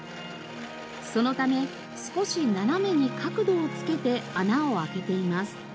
そのため少し斜めに角度をつけて穴を開けています。